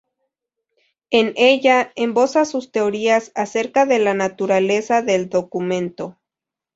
En ella, esboza sus teorías acerca de la naturaleza del documento.